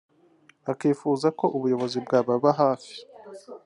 akifuza ko ubuyobozi bwababa hafi